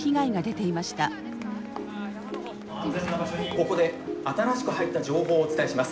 ここで新しく入った情報をお伝えします。